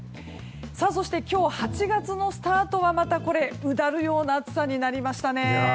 そして今日、８月のスタートはまたうだるような暑さになりましたね。